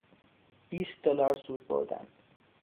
بیست دلار سود بردن